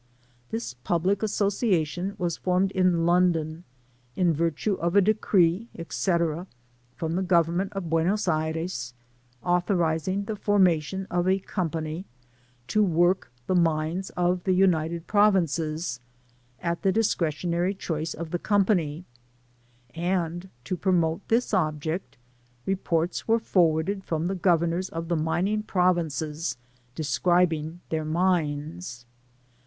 This public association was formed in London in virtue of a Decree, &c., from the government of Buenos Aires, authorizing the formation of a Company to work the mii^ of the United Provinces, at tlie discretionary choice of the Company ; and to promote this object, Re jports were forwarded from the Governors of the Mining Provinces describing their Mines.